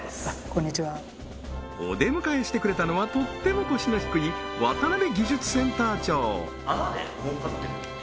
こんにちはお出迎えしてくれたのはとっても腰の低い渡辺技術センター長